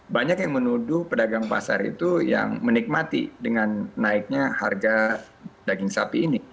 banyak yang menuduh pedagang pasar itu yang menikmati dengan naiknya harga daging sapi ini